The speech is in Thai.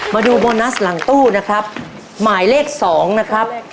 มาดูโบนัสหลังตู้นะครับหมายเลข๒นะครับ